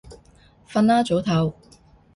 瞓啦，早唞